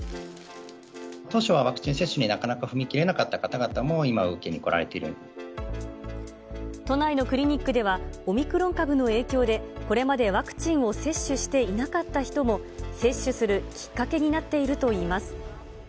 当初はワクチン接種に踏み切れなかった方々も、今、都内のクリニックではオミクロン株の影響で、これまでワクチンを接種していなかった人も、接種するきっかけになっているといいます。